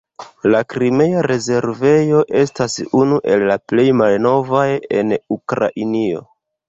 La Krimea rezervejo estas unu el la plej malnovaj en Ukrainio.